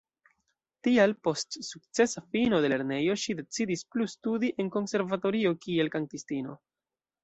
Tial post sukcesa fino de lernejo ŝi decidis plu studi en konservatorio kiel kantistino.